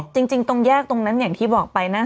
จริงตรงแยกตรงนั้นอย่างที่บอกไปนะ